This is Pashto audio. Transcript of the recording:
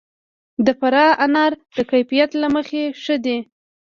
د فراه انار د کیفیت له مخې ښه دي.